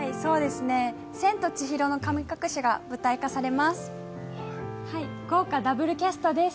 「千と千尋の神隠し」が舞台化されます。